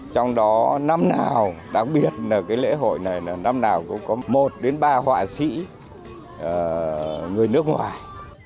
trong đó năm nào đặc biệt là cái lễ hội này năm nào cũng có một đến ba họa sĩ người nước ngoài